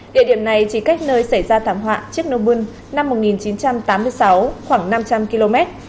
địa điểm này chỉ cách nơi xảy ra thảm họa chức nông vươn năm một nghìn chín trăm tám mươi sáu khoảng năm trăm linh km